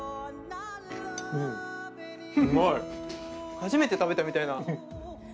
初めて食べたみたいな。